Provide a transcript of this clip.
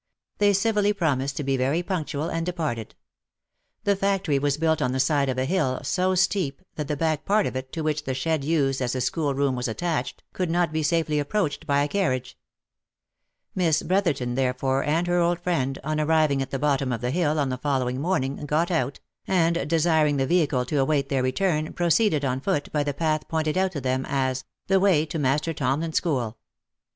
They civilly promised to be very punctual, and departed. The factory was built on the side of a hill, so steep, that the back part of it, to which the shed used as a school room was attached, could not be safely approached by a carriage ; Miss Brotherton, therefore, and her old friend, on arriving at the bottom of the hill on the following morning, got out, and, desiring the vehicle to await their return, proceeded on foot by the path pointed out to them as " the way to Master Tomlin's school."